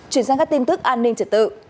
chuyển sang các tin tức an ninh trật tự